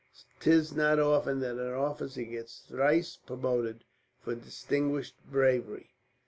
'Tis not often that an officer gets thrice promoted for distinguished bravery.